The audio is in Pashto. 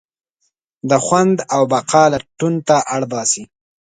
د خوند او بقا لټون ته اړباسي.